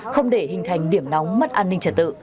không để hình thành điểm nóng mất an ninh trả tự